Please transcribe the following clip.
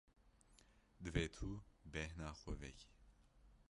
Divê tu bêhna xwe vekî.